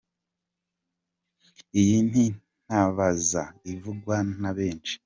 Iyi ni intabaza ivugwa na benshi.